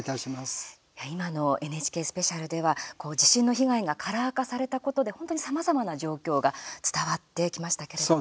今のＮＨＫスペシャルでは地震の被害がカラー化されたことで本当にさまざまな状況が伝わってきましたけれども。